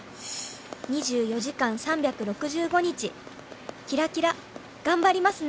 「２４時間３６５日キラキラがんばりますね」